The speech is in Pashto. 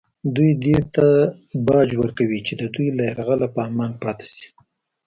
دوی دې ته باج ورکوي چې د دوی له یرغله په امان پاتې شي